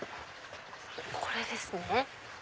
これですね。